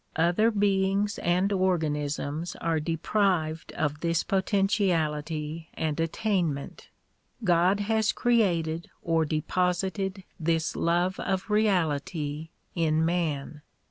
Other beings and organisms are deprived of this potentiality and attainment. God has created or deposited this love of reality in man.